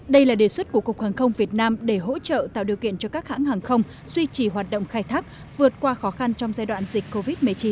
đây là đề xuất của cục hàng không việt nam để hỗ trợ tạo điều kiện cho các hãng hàng không duy trì hoạt động khai thác vượt qua khó khăn trong giai đoạn dịch covid một mươi chín